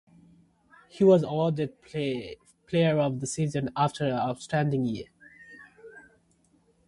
He was awarded player of the season after an outstanding year.